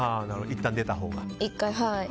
いったん出たほうがと。